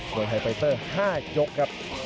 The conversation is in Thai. โดยไฮไฟเตอร์๕ยก